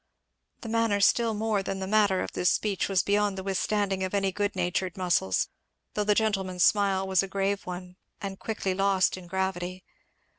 The manner still more than the matter of this speech was beyond the withstanding of any good natured muscles, though the gentleman's smile was a grave one and quickly lost in gravity.